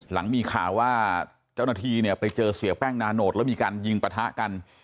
หลังมีข่าวว่าเจ้าหน้าที่เนี่ยไปเจอเสียแป้งนาโนตแล้วมีการยิงปะทะกัน